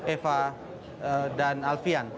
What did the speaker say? eva dan alfian